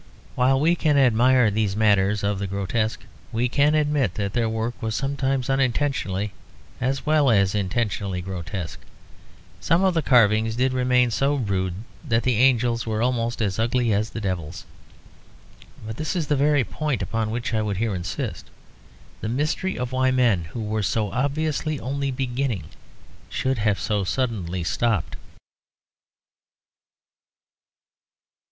While we can admire these matters of the grotesque, we can admit that their work was sometimes unintentionally as well as intentionally grotesque. Some of the carving did remain so rude that the angels were almost as ugly as the devils. But this is the very point upon which I would here insist; the mystery of why men who were so obviously only beginning should have so suddenly stopped.